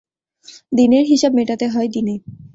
দিনের হিসাব মেটাতে হয় দিনে।